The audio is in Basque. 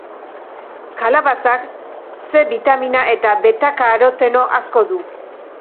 Kalabazak C bitamina eta betakaroteno asko du.